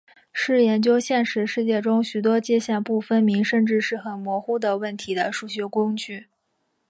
是研究现实世界中许多界限不分明甚至是很模糊的问题的数学工具。